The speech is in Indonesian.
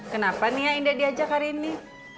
kenapa nih ya indah diajak hari ini